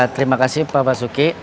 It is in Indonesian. terima kasih pak basuki